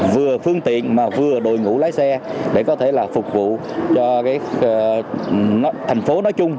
vừa phương tiện mà vừa đội ngũ lái xe để có thể là phục vụ cho thành phố nói chung